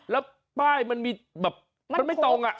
แล้วป้ายมันมีแบบมันไม่ตรง